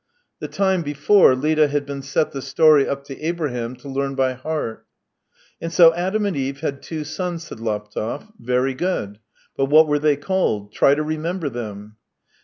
The time before Lida had been set the story up to Abraham to learn by heart. " And so Adam and Eve had two sons," said Laptev. " Very good. But what were they called ? Try to remember them